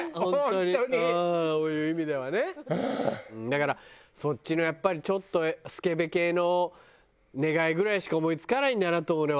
だからそっちのやっぱりちょっとスケベ系の願いぐらいしか思い付かないんだなと思うね